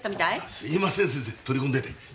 すいません先生取り込んでて。